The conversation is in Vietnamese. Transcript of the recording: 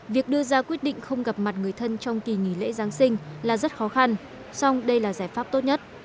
việc đưa ra quyết định không gặp mặt người thân trong kỳ nghỉ lễ giáng sinh là rất khó khăn song đây là giải pháp tốt nhất